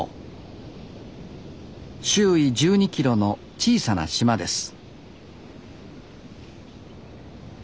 周囲１２ｋｍの小さな島です